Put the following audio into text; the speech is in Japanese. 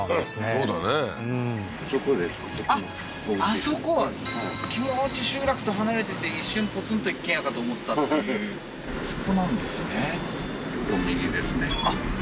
そうだね気持ち集落と離れてて一瞬ポツンと一軒家かと思ったっていうそこなんですね